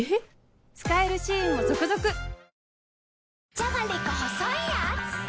じゃがりこ細いやーつ